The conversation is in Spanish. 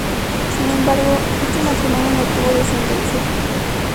Sin embargo, este matrimonio no tuvo descendencia.